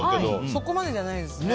そこまでじゃないですね。